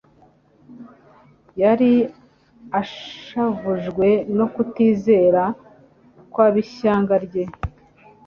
Yari ashavujwe no kutizera kw'ab'ishyanga rye,